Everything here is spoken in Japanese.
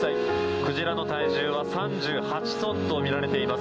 鯨の体重は３８トンとみられています。